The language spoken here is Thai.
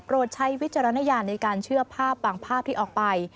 ใช้วิจารณญาณในการเชื่อภาพบางภาพที่ออกไป